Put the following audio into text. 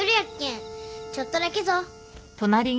ちょっとだけぞ。